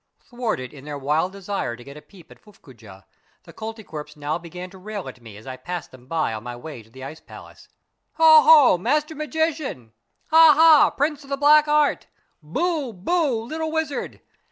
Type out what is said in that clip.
Thwarted in their wild desire to get a peep at F ufEcoojah, the Koltykwerps now began to rail at me as I passed them, by on my way to the ice palace. " Oho, Master magician ! Ha, ha. Prince of the Black Art ! Boo, boo, little wizard